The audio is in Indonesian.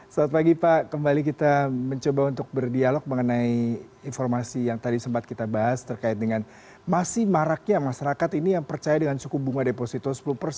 selamat pagi pak kembali kita mencoba untuk berdialog mengenai informasi yang tadi sempat kita bahas terkait dengan masih maraknya masyarakat ini yang percaya dengan suku bunga deposito